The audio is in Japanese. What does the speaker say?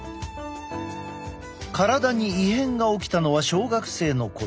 体に異変が起きたのは小学生の頃。